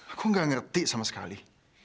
aku nggak ngerti sama sekali